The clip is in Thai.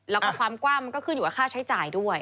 แล้วก็ความกว้างมันก็ขึ้นอยู่กับค่าใช้จ่ายด้วย